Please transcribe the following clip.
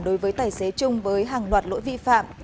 đối với tài xế chung với hàng loạt lỗi vi phạm